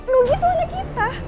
nugi tuh anak kita